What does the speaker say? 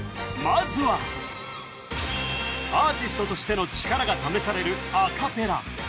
まずはアーティストとしての力が試されるアカペラ